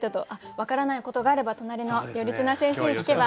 分からないことがあれば隣の頼綱先生に聞けば。